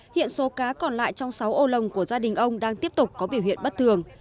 hiện số cá còn lại trong sáu ô lồng của gia đình ông đang tiếp tục có biểu hiện bất thường